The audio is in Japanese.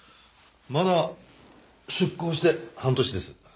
まだ出向して半年です。